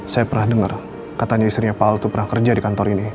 saya pernah dengar katanya istrinya pak al itu pernah kerja di kantor ini